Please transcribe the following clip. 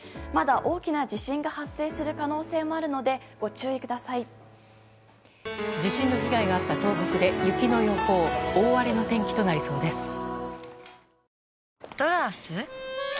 まだ大きな地震が発生する可能性もあるので大きな地震のあった東北で大荒れの天気となりそうです。